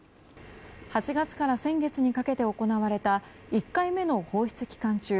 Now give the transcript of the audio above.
８月から先月にかけて行われた１回目の放出期間中